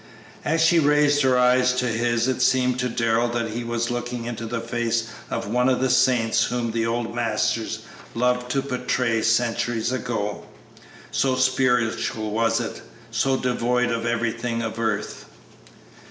As she raised her eyes to his it seemed to Darrell that he was looking into the face of one of the saints whom the old masters loved to portray centuries ago, so spiritual was it, so devoid of everything of earth!